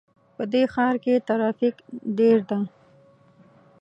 په دې ښار کې ترافیک ډېر ده